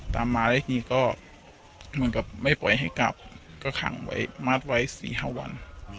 ตามมาแล้วทีก็เหมือนกับไม่ปล่อยให้กลับก็ขังไว้มัดไว้๔๕วัน